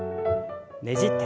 ねじって。